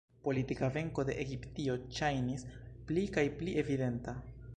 Politika venko de Egiptio ŝajnis pli kaj pli evidenta.